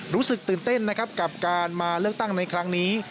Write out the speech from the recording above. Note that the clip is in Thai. รู้สึกตื่นเต้นนะครับกับการมาเลือกตั้งในครั้งนี้